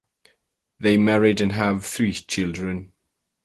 They married and have three children.